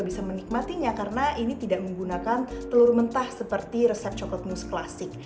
bisa menikmatinya karena ini tidak menggunakan telur mentah seperti resep coklat nus klasik